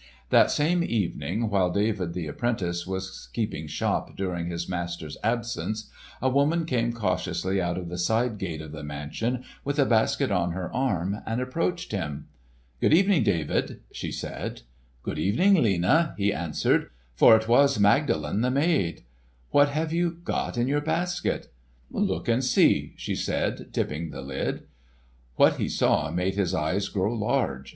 That same evening while David the apprentice was keeping shop during his master's absence, a woman came cautiously out of the side gate of the mansion with a basket on her arm, and approached him. "Good evening, David," she said. "Good evening, Lena," he answered, for it was Magdalen the maid. "What have you got in your basket?" "Look and see," she said, tipping the lid. What he saw made his eyes grow large.